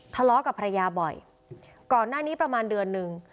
ทะเลาะกับภรรยาบ่อยก่อนหน้านี้ประมาณเดือนนึง